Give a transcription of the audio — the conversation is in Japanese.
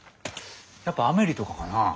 やっぱ「アメリ」とかかな。